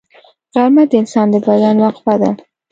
غرمه د انسان د بدن وقفه ده